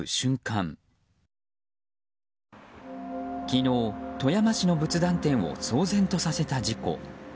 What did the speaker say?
昨日、富山市の仏壇店を騒然とさせた事故。